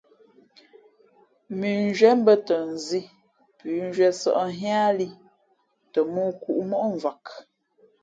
Mʉnzhwíé mbαtα nzī pʉ̌nzhwíé sα̌ʼ nhíá lī th mōō kǔʼ móʼ mvak.